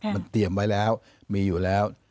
มันเตรียมไว้แล้วมีอยู่แล้ว